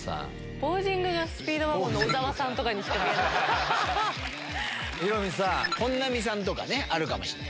ポージングがスピードワゴンの小沢さんにしか見えない。